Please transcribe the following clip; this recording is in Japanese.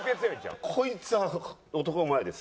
こいつは男前です。